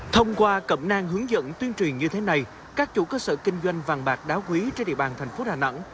thông qua cậm nang hướng dẫn tuyên truyền như thế này các chủ cơ sở kinh doanh vàng bạc đá quý trên địa bàn thành phố đà nẵng